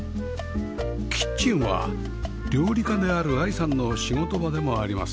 キッチンは料理家である愛さんの仕事場でもあります